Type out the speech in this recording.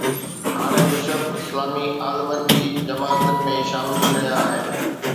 هاڻي بشپ ”اسلامي عالمن“ جي جماعتن ۾ شامل ٿي رهيا آهن.